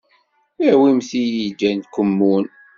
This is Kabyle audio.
Awimt-iyi-d lkemmun.